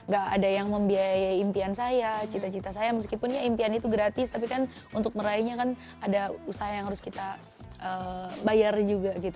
gak ada yang membiayai impian saya cita cita saya meskipun ya impian itu gratis tapi kan untuk meraihnya kan ada usaha yang harus kita bayar juga gitu